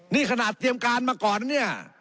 นี่ขนาดเตรียมการมาก่อนนะเนี่ย